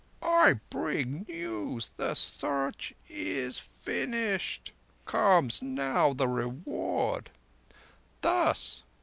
I bring news! The Search is finished. Comes now the Reward... Thus.